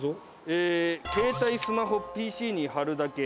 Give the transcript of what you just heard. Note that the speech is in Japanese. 「えー“携帯スマホＰＣに貼るだけ”」